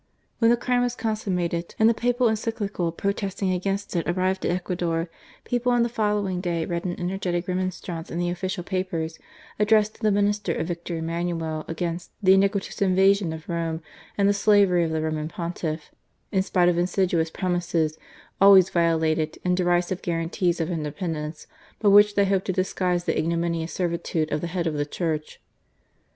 When the crime was consummated, and the Papal Encyclical protesting against it arrived at Ecuador, people on the follow ing day read an energetic remonstrance in the official papers addressed to the Minister of Victor Emmanuel against "the iniquitous invasion of Rome and the slavery of the Roman Pontiff, in spite of insidious promises, always violated, and derisive guarantees of independence, by which they hoped to disguise the ignominious servitude of the Head of the Church."